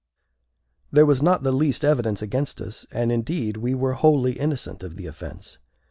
There was not the least evidence against us; and, indeed, we were wholly innocent of the offence.